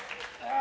あ！